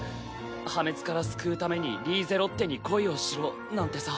「破滅から救うためにリーゼロッテに恋をしろ」なんてさ。